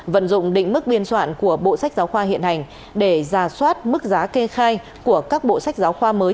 vận dụng định mức biên soạn của bộ sách giáo khoa hiện hành để giả soát mức giá kê khai của các bộ sách giáo khoa mới